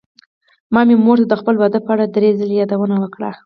ما مې مور ته د خپل واده په اړه دری ځلې يادوونه وکړه.